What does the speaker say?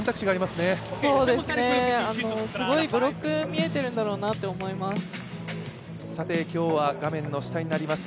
すごいブロックが見えているんだろうなと思います。